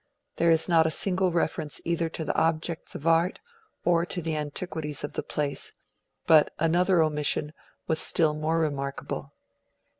There is not a single reference either to the objects of art or to the antiquities of the place; but another omission was still more remarkable.